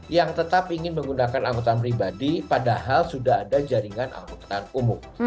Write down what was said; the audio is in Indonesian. yang tetap ingin menggunakan angkutan pribadi padahal sudah ada jaringan angkutan umum